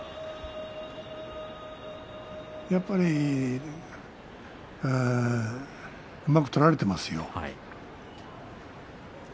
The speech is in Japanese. やっぱりうまく取られていますよね。